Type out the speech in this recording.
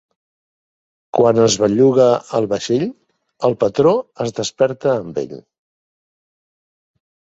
Quan es belluga el vaixell el patró es desperta amb ell.